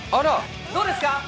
どうですか？